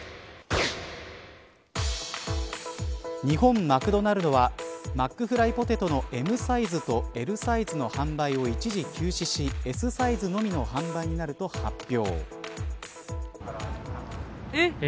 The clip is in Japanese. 日本マクドナルドはマックフライポテトのＭサイズとＬサイズの販売を一時休止しＳサイズのみの販売になると発表。